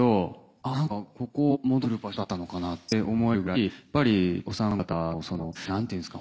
あぁなんかここ戻ってくる場所だったのかなって思えるくらいやっぱりお三方のそのなんて言うんですか。